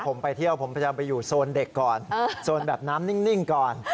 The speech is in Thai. ผมไปเที่ยวผมพยายามไปอยู่โซนเด็กก่อนโซนแบบน้ำนิ่งก่อน